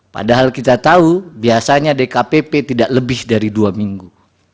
padahal kita tahu biasanya dkpp tidak lebih dari dua minggu